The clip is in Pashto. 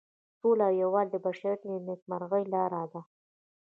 سوله او یووالی د بشریت د نیکمرغۍ لاره ده.